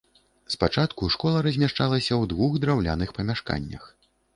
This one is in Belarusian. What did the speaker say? Спачатку школа размяшчалася ў двух драўляных памяшканнях.